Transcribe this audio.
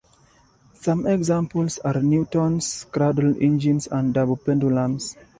Some examples are Newton's cradle, engines, and double pendulums.